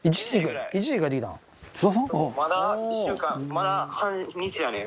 「まだ半日やねん」